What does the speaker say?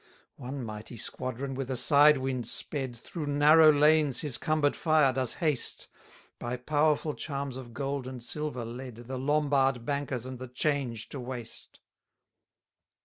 236 One mighty squadron with a side wind sped, Through narrow lanes his cumber'd fire does haste, By powerful charms of gold and silver led, The Lombard bankers and the 'Change to waste.